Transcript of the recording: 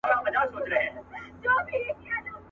ما د زندان په دروازو کي ستا آواز اورېدی.